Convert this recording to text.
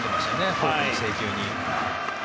フォークの制球に。